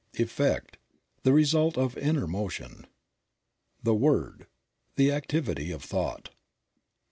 Effect. — The result of inner motion. The Word. — The activity of thought.